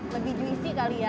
lebih duit sih